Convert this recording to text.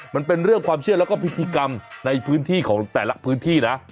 มันเป็นเรื่องความเชื่อแล้วก็พิธีกรรมในพื้นที่ของแต่ละพื้นที่นะ